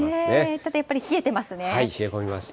ただやっぱり冷え込みました。